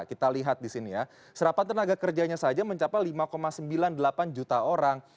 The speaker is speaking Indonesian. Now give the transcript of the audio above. kita lihat di sini ya serapan tenaga kerjanya saja mencapai lima sembilan puluh delapan juta orang